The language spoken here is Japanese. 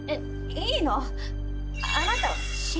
いいの！